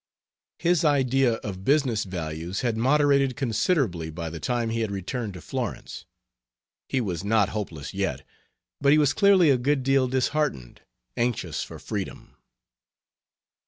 His idea of business values had moderated considerably by the time he had returned to Florence. He was not hopeless yet, but he was clearly a good deal disheartened anxious for freedom.